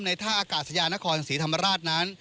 ท่าอากาศยานครศรีธรรมราชนั้น